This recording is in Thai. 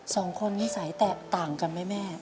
สองคนนิสัยแตกต่างกันไหมแม่